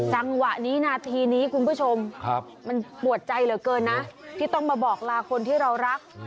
จังหวะนี้นาทีนี้คุณผู้ชมมันปวดใจเหลือเกินนะที่ต้องมาบอกลาคนที่เรารัก